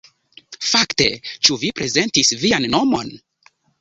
Fakte, ĉu vi prezentis vian nomon?